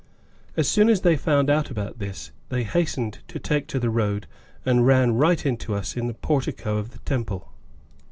As soon as they found out about this, they hastened to take to the road and ran right into us in the portico of the temple.